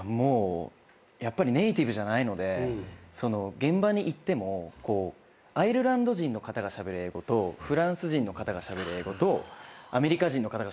やっぱりネーティブじゃないので現場に行ってもアイルランド人の方がしゃべる英語とフランス人の方がしゃべる英語とアメリカ人の方がしゃべる英語